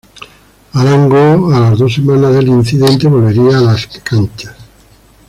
Arango a las dos semanas del incidente volvería a las canchas.